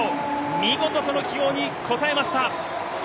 見事、その期待に応えました。